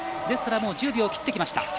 ですから１０秒を切ってきました。